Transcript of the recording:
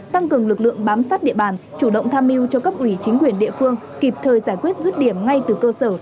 tăng cường lực lượng bám sát địa bàn chủ động tham mưu cho cấp ủy chính quyền địa phương kịp thời giải quyết rứt điểm ngay từ cơ sở